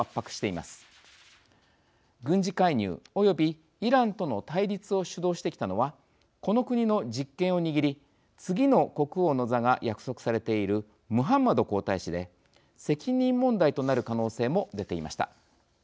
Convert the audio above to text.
軍事介入およびイランとの対立を主導してきたのはこの国の実権を握り次の国王の座が約束されているムハンマド皇太子で責任問題となる可能性も出ていました。